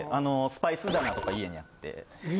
スパイス棚とか家にあって。